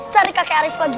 cari kakek arief lagi